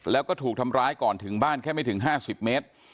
แล้วก็ถูกทำร้ายก่อนถึงบ้านแค่ไม่ถึง๕๐เมตร